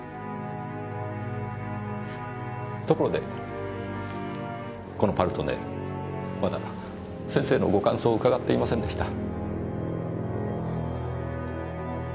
ところでこの「パルトネール」まだ先生のご感想を伺っていませんでした。